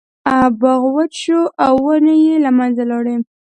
باغ وچ شو او ونې یې له منځه لاړې.